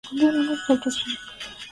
abiria wa mashua walivuta watu wengine saba